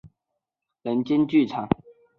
书写温柔又疏离的人间剧场。